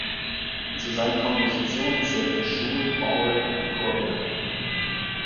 Zu seinen Kompositionen zählten Schul-, Orgel- und Chorwerke.